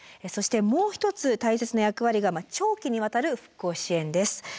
そしてもう一つ大切な役割が長期にわたる復興支援です。